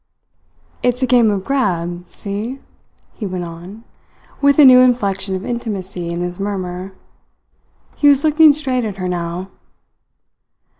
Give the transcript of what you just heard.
"It's a game of grab see?" he went on, with a new inflection of intimacy in his murmur. He was looking straight at her now.